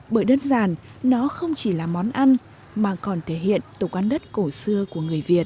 bởi đơn giản nó không chỉ là món ăn mà còn thể hiện tổ quán đất cổ xưa của người việt